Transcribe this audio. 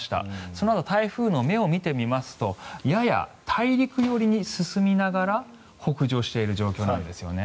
そのあと台風の目を見てみますとやや大陸寄りに進みながら北上している状況なんですよね。